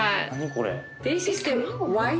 これ。